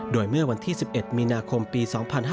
โดยเมื่อวันที่๑๑มีนาคมปี๒๕๕๙